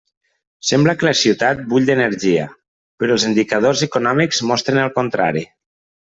Sembla que la ciutat bull d'energia; però els indicadors econòmics mostren el contrari.